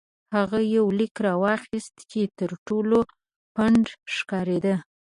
هغه یو لیک راواخیست چې تر ټولو پڼد ښکارېده.